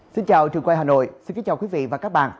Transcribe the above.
xin chào trường quay hà nội xin kính chào quý vị và các bạn